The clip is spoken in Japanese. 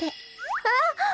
あっ！